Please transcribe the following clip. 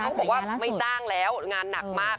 เขาบอกว่าไม่จ้างแล้วงานหนักมาก